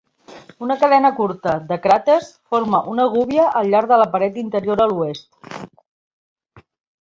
Una cadena curta de cràters forma una gúbia al llarg de la paret interior a l'oest.